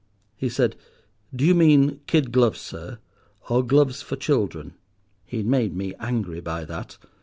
"He said, 'Do you mean kid gloves, sir, or gloves for children?' "He made me angry by that.